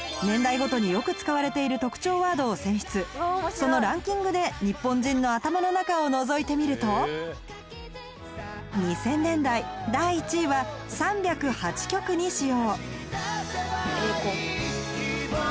そのランキングでニッポン人の頭の中をのぞいてみると２０００年代第１位は３０８曲に使用